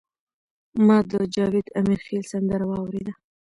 ما د جاوید امیرخیل سندره واوریده.